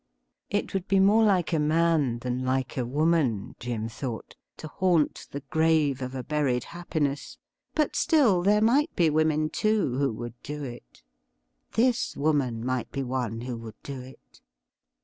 It would be more like a man than like a woman, Jim thought, to haunt the grave of a buried happiness, but still there might be women too who would do it. This woman might be one who would do it.